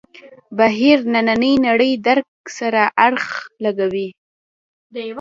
بهیر نننۍ نړۍ درک سره اړخ لګوي.